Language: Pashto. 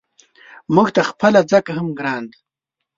موږ ته خپله ځکه هم ګران دی.